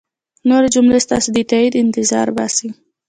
نورې جملې ستاسو د تایید انتظار باسي.